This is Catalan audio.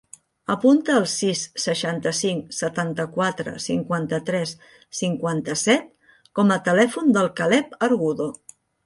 Apunta el sis, seixanta-cinc, setanta-quatre, cinquanta-tres, cinquanta-set com a telèfon del Caleb Argudo.